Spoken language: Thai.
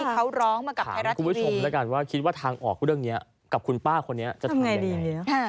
ถามคุณผู้ชมแล้วกันว่าคิดว่าทางออกกับคุณป้าคนนี้จะทำยังไง